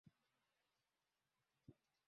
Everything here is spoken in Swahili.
wanaweza kutembea siku nzima kwa maeneo kama